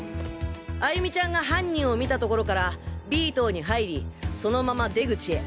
歩美ちゃんが犯人を見た所からＢ棟に入りそのまま出口へ。